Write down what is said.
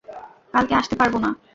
কালকে আসতে পারব না।